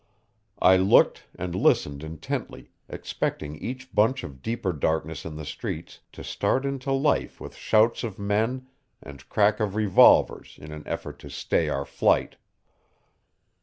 I looked and listened intently, expecting each bunch of deeper darkness in the streets to start into life with shouts of men and crack of revolvers in an effort to stay our flight.